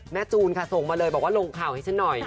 จูนค่ะส่งมาเลยบอกว่าลงข่าวให้ฉันหน่อย